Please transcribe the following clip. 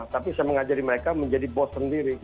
tapi saya mengajari mereka menjadi bos sendiri